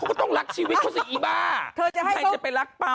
เขาก็ต้องรักชีวิตเขาสิอีบ้า